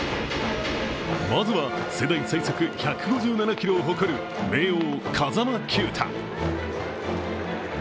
まずは、世代最速１５７キロを誇る明桜・風間球打。